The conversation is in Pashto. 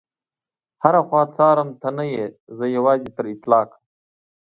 هره خوا څارم ته نه يې، زه یوازي تر افلاکه